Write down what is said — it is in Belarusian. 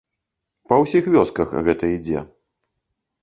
Па ўсіх вёсках гэта ідзе.